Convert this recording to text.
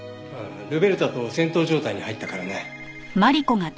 ルベルタと戦闘状態に入ったからね。